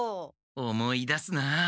思い出すなあ。